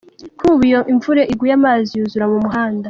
Kuri ubu iyo imvura iguye amazi yuzura mu muhanda.